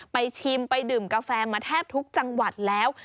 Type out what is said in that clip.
ชิมไปดื่มกาแฟมาแทบทุกจังหวัดแล้ว